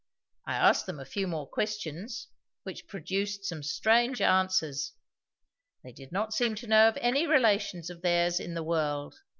I asked them a few more questions, which produced some strange answers. They did not seem to know of any relations of theirs in the world.